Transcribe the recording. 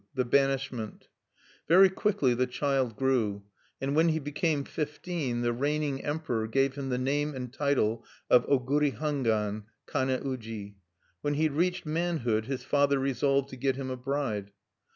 THE BANISHMENT Very quickly the child grew; and when he became fifteen, the reigning Emperor gave him the name and title of Oguri Hangwan Kane uji. When he reached manhood his father resolved to get him a bride.